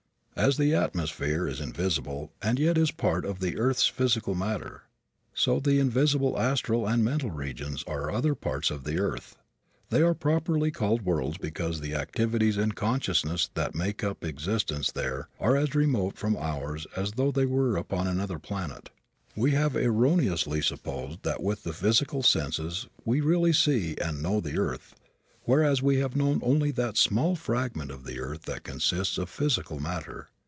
As the atmosphere is invisible and yet is a part of the earth's physical matter, so the invisible astral and mental regions are other parts of the earth. They are properly called worlds because the activities in consciousness that make up existence there are as remote from ours as though they were upon another planet. We have erroneously supposed that with the physical senses we really see and know the earth, whereas we have known only that small fragment of the earth that consists of physical matter.